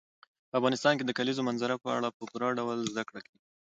په افغانستان کې د کلیزو منظره په اړه په پوره ډول زده کړه کېږي.